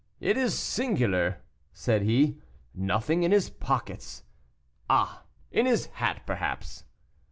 "It is singular," said he, "nothing in his pockets. Ah! in his hat, perhaps."